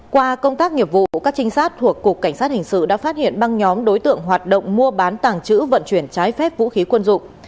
qua công tác nghiệp vụ các trinh sát thuộc cục cảnh sát hình sự đã phát hiện băng nhóm đối tượng hoạt động mua bán tàng trữ vận chuyển trái phép vũ khí quân dụng